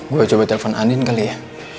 gue coba telepon anin kali ya